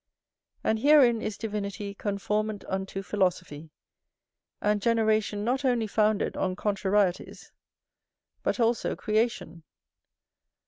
And herein is divinity conformant unto philosophy, and generation not only founded on contrarieties, but also creation.